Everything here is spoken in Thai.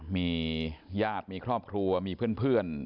มีญาติมีครอบครัวมีเพื่อน